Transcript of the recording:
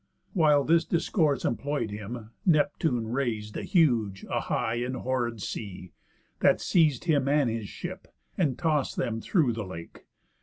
While this discourse employ'd him, Neptune rais'd A huge, a high, and horrid sea, that seiz'd Him and his ship, and toss'd them through the lake.